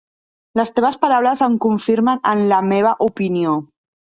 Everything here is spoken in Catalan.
Les teves paraules em confirmen en la meva opinió.